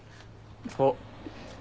あっ。